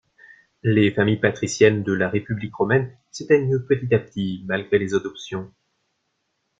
Les familles patriciennes de la République romaine s'éteignent petit à petit, malgré les adoptions.